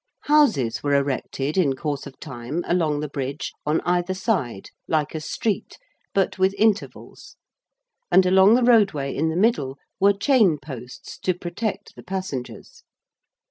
Houses were erected in course of time along the Bridge on either side like a street, but with intervals; and along the roadway in the middle were chain posts to protect the passengers.